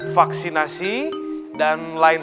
vaksinasi dan lain